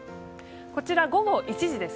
こちら午後１時です。